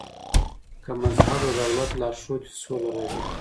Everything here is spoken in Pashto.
که مذهب د دولت لارښود وي سوله راځي.